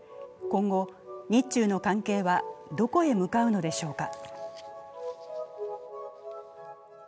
今後、日中の関係は、どこへ向かうのでしょうか。